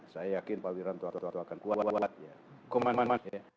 saya yakin pak wiranto akan kuat kuat ya